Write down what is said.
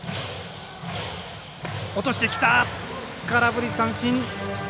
空振り三振。